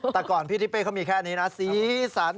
แต่ก่อนพี่ทิเป้เขามีแค่นี้นะสีสัน